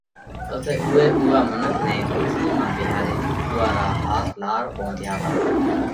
پسئہ اُوئي اُوئا منک نئہ ڪُرسِي مانه ٻيهارينَ اُوئا را هاٿ لار ٻونڌيا پرا